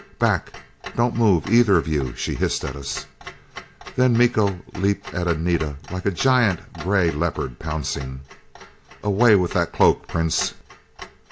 "Back! Don't move either of you!" she hissed at us. Then Miko leaped at Anita like a giant gray leopard pouncing. "Away with that cloak, Prince!"